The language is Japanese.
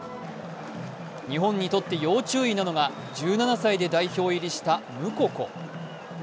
日本にとって要注意なのが１７歳で代表入りしたムココ。